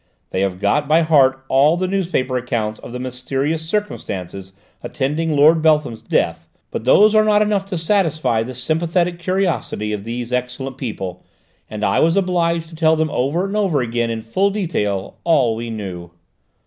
They have got by heart all the newspaper accounts of the mysterious circumstances attending Lord Beltham's death, but those are not enough to satisfy the sympathetic curiosity of these excellent people, and I was obliged to tell them over and over again in full detail all we knew."